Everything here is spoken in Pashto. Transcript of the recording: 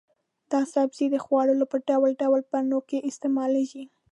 دا سبزی د خوړو په ډول ډول بڼو کې استعمالېږي.